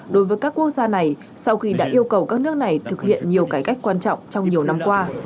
đối với các quốc gia này sau khi đã yêu cầu các nước này thực hiện nhiều cải cách quan trọng trong nhiều năm qua